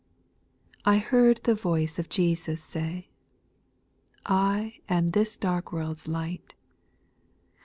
8. I heard the voice of Jesus say, I am this dark world's light.